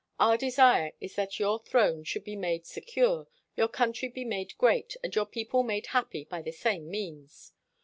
Our desire is that your throne should be made secure , your country be made great, and your people made happy by the same means.